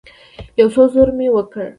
يو څه زور مې وکړ.